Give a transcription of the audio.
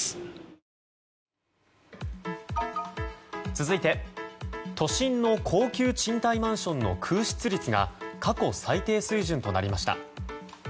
続いて都心の高級賃貸マンションの空室率が過去最低水準となりました。